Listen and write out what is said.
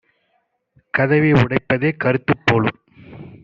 கதவை உடைப்பதே கருத்துப் போலும்!"